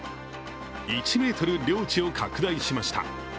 １ｍ、領地を拡大しました。